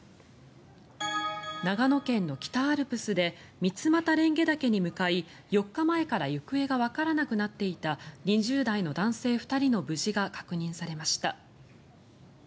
長野県の北アルプスで三俣蓮華岳に向かい４日前から行方がわからなくなっていた２０代の男性２人の無事が確認されました。